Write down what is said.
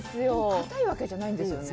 かたいわけじゃないんですよね。